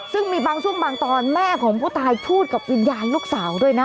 ซึ่งมีบางช่วงบางตอนแม่ของผู้ตายพูดกับวิญญาณลูกสาวด้วยนะ